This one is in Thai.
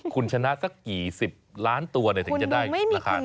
คุณชนะสักกี่สิบล้านตัวเนี่ยถึงจะได้คุณละคร